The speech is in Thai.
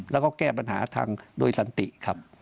แล้วก็แก้ปัญหาทางโดยสันติครับ